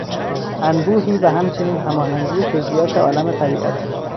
انبوهی و همچنین هماهنگی جزئیات عالم طبیعت